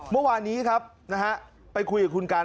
เมื่อวานนี้ครับนะฮะไปคุยกับคุณกัน